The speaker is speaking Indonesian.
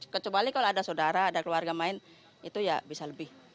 kecuali kalau ada saudara ada keluarga main itu ya bisa lebih